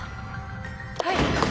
はい。